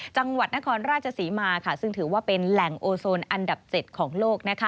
จังหวัดนครราชศรีมาซึ่งถือว่าเป็นแหล่งโอโซนอันดับ๗ของโลก